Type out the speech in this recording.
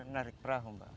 tarik perahu mbak